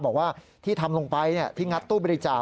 บอกว่าที่ทำลงไปที่งัดตู้บริจาค